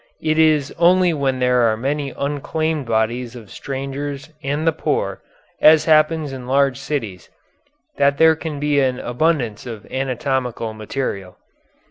It is only when there are many unclaimed bodies of strangers and the poor, as happens in large cities, that there can be an abundance of anatomical material.